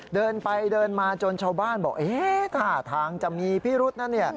เดินไปเดินมาจนชาวบ้านบอกท่าทางจะมีพิรุษนะเนี่ย